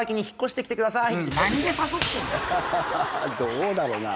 どうだろうな。